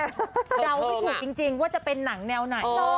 เดาไม่ถูกจริงว่าจะเป็นหนังแนวไหน